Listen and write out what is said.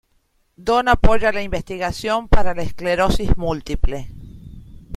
Don apoya la investigación para la esclerosis múltiple.